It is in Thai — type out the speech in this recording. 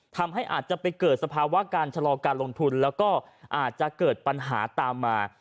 ทำให้อาจจะไปเกิดสภาวะการชะลอการลงทุนแล้วก็อาจจะเกิดปัญหาตามมา